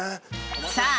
さあ